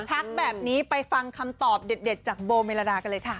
ทักแบบนี้ไปฟังคำตอบเด็ดจากโบเมลาดากันเลยค่ะ